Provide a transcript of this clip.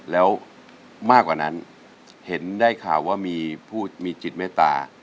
แล้วมากกว่านั้นเห็นได้ข่าวว่ามีผู้มีจิตเมตตา